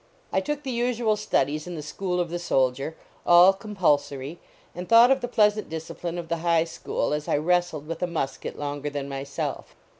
I took the usual studies in the school of the soldier, all compulsory, and thought of the pleasant discipline of the high school as I wrestled with a musket longer than myself.